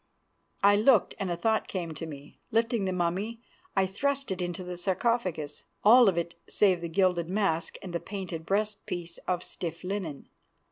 "I looked and a thought came to me. Lifting the mummy, I thrust it into the sarcophagus, all of it save the gilded mask and the painted breast piece of stiff linen.